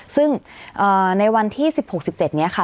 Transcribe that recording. ซึ่งในวันที่๑๖๑๗นี้ค่ะ